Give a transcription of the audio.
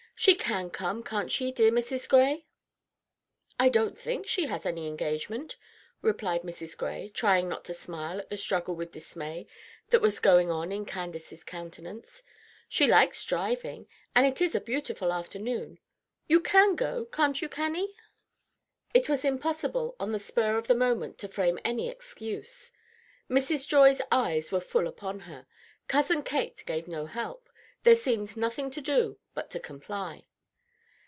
She can come, can't she, dear Mrs. Gray?" "I don't think she has any engagement," replied Mrs. Gray, trying not to smile at the struggle with dismay that was going on in Candace's countenance; "she likes driving, and it is a beautiful afternoon. You can go, can't you, Cannie?" It was impossible on the spur of the moment to frame any excuse. Mrs. Joy's eyes were full upon her; Cousin Kate gave no help; there seemed nothing to do but to comply.